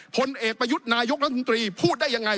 ผลเอกประยุทธ์นายกรัฐมนตรีพูดได้ยังไง